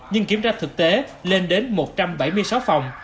nhưng kiểm tra thực tế lên đến một trăm bảy mươi sáu phòng